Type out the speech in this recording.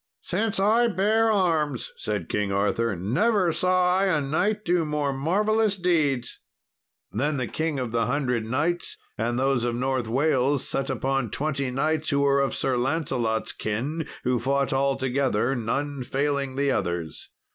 "Since I bare arms," said King Arthur, "never saw I a knight do more marvellous deeds." Then the King of the Hundred Knights and those of North Wales, set upon twenty knights who were of Sir Lancelot's kin, who fought all together, none failing the others.